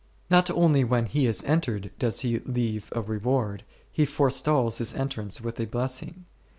Not only when He is entered does He leave a reward ; He forestalls His entrance with a blessing.